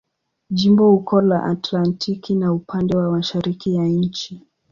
Jimbo uko la Atlantiki na upande wa mashariki ya nchi.